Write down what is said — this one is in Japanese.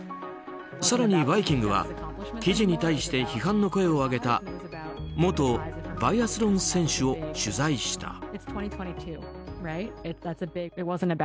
更に「バイキング」は記事に対して批判の声を上げた元バイアスロン選手を取材した。